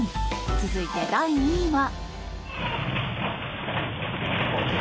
続いて、第２位は。